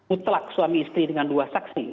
mutlak suami istri dengan dua saksi